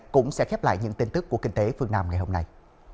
cũng sẽ khép lại những tin tức của kinh tế phương nam ngày hôm nay